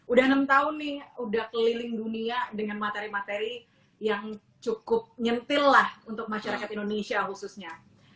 udah enam tahun nih udah keliling dunia dengan materi materi yang cukup nyentil lah untuk masyarakat indonesia khususnya